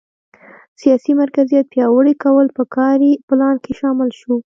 سیاسي مرکزیت پیاوړي کول په کاري پلان کې شامل شو.